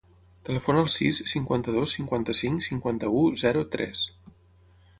Telefona al sis, cinquanta-dos, cinquanta-cinc, cinquanta-u, zero, tres.